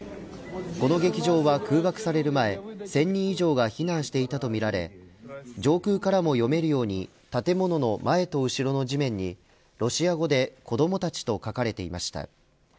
この劇場は空爆される前１０００人以上が避難していたとみられ上空からも読めるように建物の前と後ろの地面にロシア語で子どもたちと書かれていました。